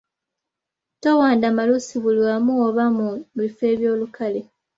Towanda malusu buli wamu oba mu bifo eby’olukale.